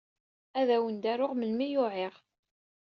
Ad awen-d-aruɣ melmi ay uɛiɣ.